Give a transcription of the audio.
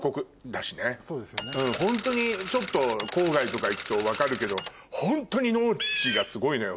ホントにちょっと郊外とか行くと分かるけどホントに農地がすごいのよ